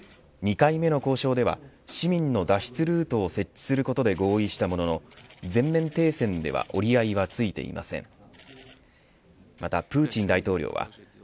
２回目の交渉では市民の脱出ルートを設置することで合意したものの全面停戦では折り合いはついていません。